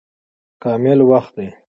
کامل وخت دی.